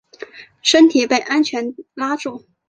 身体被安全带拉住